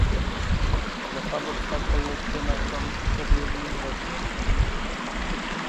د قبر سر ته یې کېناستم، ښه ډېر مې وژړل.